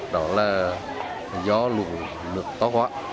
đó là do lũ nước có gõ